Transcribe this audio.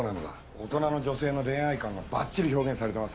大人の女性の恋愛観がバッチリ表現されてますよ。